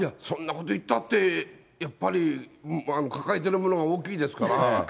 そんなこと言ったって、やっぱり抱えてるものが大きいですから。